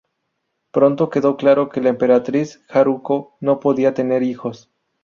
Pronto quedó claro que la Emperatriz Haruko no podía tener hijos.